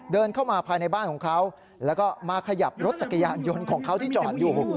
เดินเข้ามาภายในบ้านของเขาแล้วก็มาขยับรถจักรยานยนต์ของเขาที่จอดอยู่